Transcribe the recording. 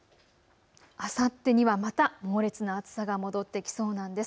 あさってにはまた猛烈な暑さが戻ってきそうなんです。